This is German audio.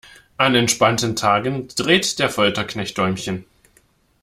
An entspannten Tagen dreht der Folterknecht Däumchen.